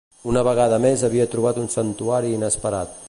Una vegada més havia trobat un santuari inesperat.